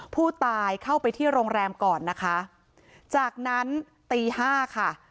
ผู้ตายเข้าไปที่โรงแรมก่อนนะคะจากนั้นตีห้าค่ะ